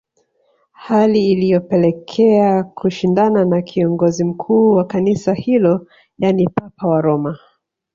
Hali iliyopelekea kushindana na kiongozi mkuu wa kanisa hilo yani papa wa Roma